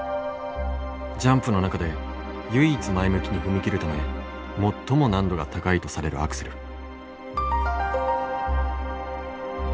ジャンプの中で唯一前向きに踏み切るため最も難度が高いとされるアクセル。